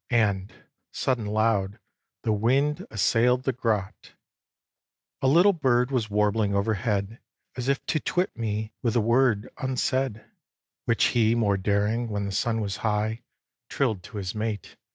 And, sudden loud, the wind assail'd the grot. xiv. A little bird was warbling overhead As if to twit me with the word unsaid Which he, more daring, when the sun was high, Trill'd to his mate!